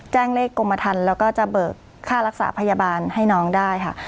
แจ้งเลขกรมทันแล้วก็จะเบิกค่ารักษาพยาบาลให้น้องได้ค่ะ